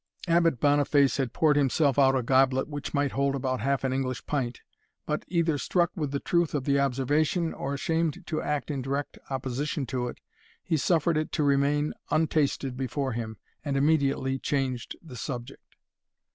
Abbot Boniface had poured himself out a goblet which might hold about half an English pint; but, either struck with the truth of the observation, or ashamed to act in direct opposition to it, he suffered it to remain untasted before him, and immediately changed the subject.